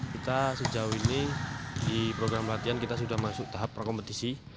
kita sejauh ini di program latihan kita sudah masuk tahap prakompetisi